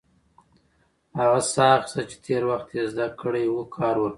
هغه ساه اخیستل چې تېر وخت يې زده کړی و، کار ورکوي.